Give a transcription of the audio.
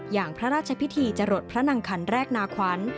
อย่างพระราชพิธีจรดพระนางคันแรกนาขวัญ